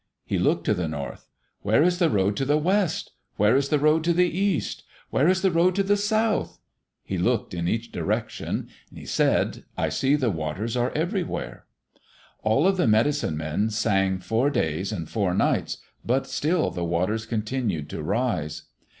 He looked to the north. "Where is the road to the west? Where is the road to the east? Where is the road to the south?" He looked in each direction. He said, "I see the waters are everywhere." All of the medicine men sang four days and four nights, but still the waters continued to rise.